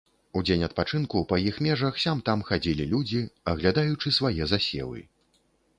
У дзень адпачынку па іх межах сям-там хадзілі людзі, аглядаючы свае засевы.